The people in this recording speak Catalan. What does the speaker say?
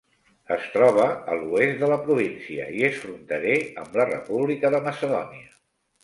Es troba a l'oest de la província, i és fronterer amb la república de Macedònia.